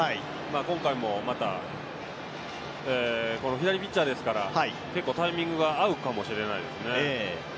今回もまた左ピッチャーですから、結構タイミングが合うかもしれないですね。